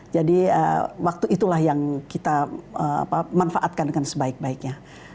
jadi waktu itulah yang kita manfaatkan dengan sebaik baiknya